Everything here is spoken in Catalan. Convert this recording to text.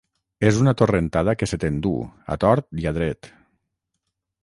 És una torrentada que se t'endú, a tort i a dret.